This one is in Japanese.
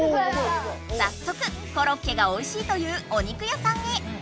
さっそくコロッケがおいしいというお肉屋さんへ！